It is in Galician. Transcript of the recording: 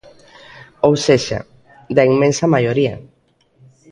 Ou sexa, da inmensa maioría.